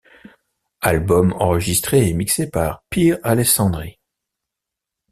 Album enregistré et mixé par Pier Alessandri.